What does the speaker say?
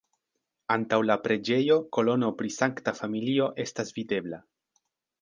Antaŭ la preĝejo kolono pri Sankta Familio estas videbla.